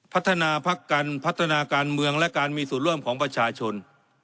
พัฒนาการเมืองและการมีสุดร่วมของประชาชน